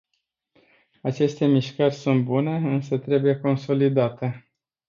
Aceste mișcări sunt bune, însă trebuie consolidate.